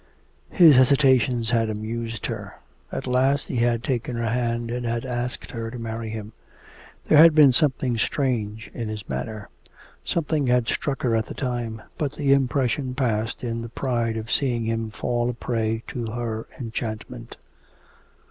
His hesitations had amused her. At last he had taken her hand and had asked her to marry him. There had been something strange in his manner. Something had struck her at the time, but the impression passed in the pride of seeing him fall a prey to her enchantment.